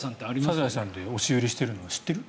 「サザエさん」で押し売りしているの知ってる？